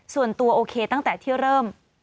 ส่วนตัวโอเคตั้งแต่ที่เริ่ม